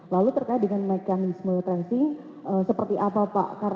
lalu terkait dengan mekanisme tracing seperti apa pak